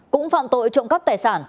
cũng phạm tội trộm các tài sản